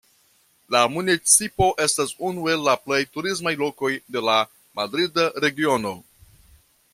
La municipo estas unu el la plej turismaj lokoj de la Madrida Regiono.